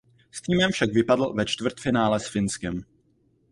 S týmem však vypadl ve čtvrtfinále s Finskem.